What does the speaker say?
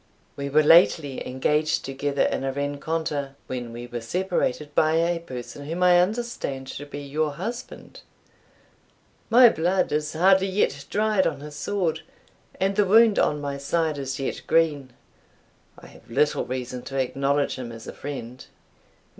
We were lately engaged together in a rencontre, when we were separated by a person whom I understand to be your husband. My blood is hardly yet dried on his sword, and the wound on my side is yet green. I have little reason to acknowledge him as a friend."